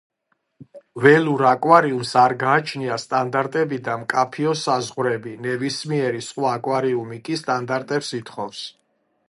ველურ აკვარიუმს არ გააჩნია სტანდარტები და მკაფიო საზღვრები, ნებისმიერი სხვა აკვარიუმი კი სტანდარტებს ითხოვს.